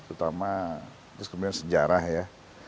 utama terus kemudian sejarah ya